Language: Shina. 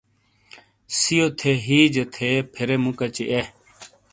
سیو تھی ہجیے تھے پھیرے مُوکچی اے۔